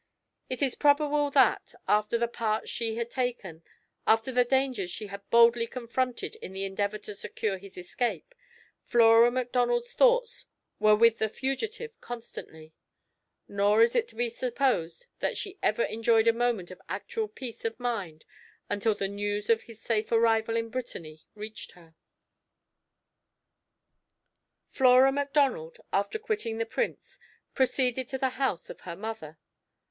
It is probable that, after the part she had taken, after the dangers she had boldly confronted in the endeavour to secure his escape, Flora Macdonald's thoughts were with the fugitive constantly; nor is it to be supposed she ever enjoyed a moment of actual peace of mind until the news of his safe arrival in Brittany reached her. Flora Macdonald, after quitting the Prince, proceeded to the house of her mother.